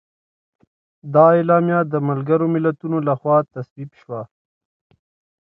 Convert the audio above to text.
دا اعلامیه د ملګرو ملتونو لخوا تصویب شوه.